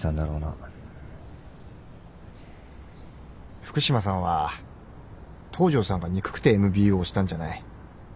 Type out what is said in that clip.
福島さんは東城さんが憎くてＭＢＯをしたんじゃない。